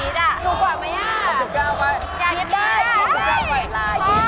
โหยอยากคิดอ่ะ